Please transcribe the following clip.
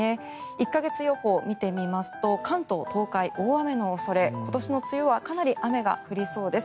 １か月予報を見てみますと関東、東海大雨の恐れ今年の梅雨はかなり雨が降りそうです。